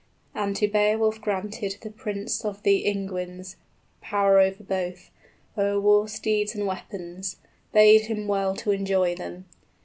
And to Beowulf granted The prince of the Ingwins, power over both, O'er war steeds and weapons; bade him well to enjoy them.